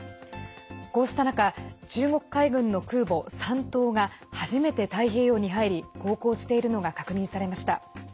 こうした中中国海軍の空母「山東」が初めて太平洋に入り航行しているのが確認されました。